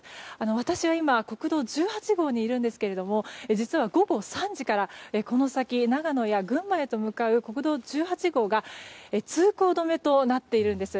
私は今国道１８号に入るんですが実は午後３時からこの先、長野や群馬へと向かう国道１８号が通行止めとなっているんです。